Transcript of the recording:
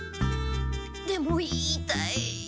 でも言いたい。